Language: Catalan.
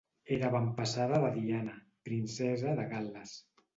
Era avantpassada de Diana, Princesa de Gal·les.